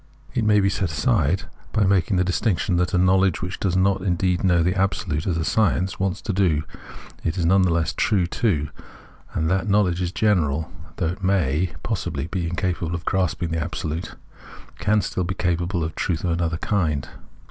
It may be set aside by making tke distinction tkat a knowledge wkick does not indeed know tke Absolute as science wants to do, is none tke less true too; and tkat knowledge in general, tkougk it may 76 Phenomenology of Mind possibly be incapable of grasping the Absolute, can still be capable of truth of another kind.